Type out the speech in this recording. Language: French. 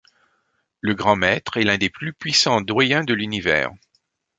Le Grand Maître est l'un des plus puissants Doyens de l'Univers.